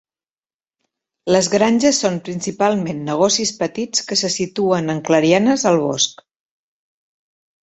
Les granges són principalment negocis petits que se situen en clarianes al bosc.